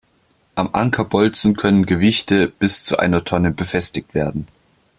Am Ankerbolzen können Gewichte bis zu einer Tonne befestigt werden.